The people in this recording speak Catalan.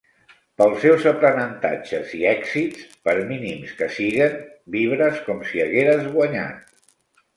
Pels seus aprenentatges i èxits, per mínims que siguen, vibres com si hagueres guanyat.